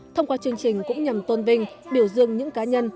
thông qua chương trình cũng nhằm tôn vinh biểu dương những cá nhân